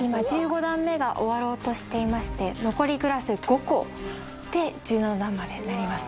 今１５段目が終わろうとしていまして残りグラス５個で１７段までなりますね。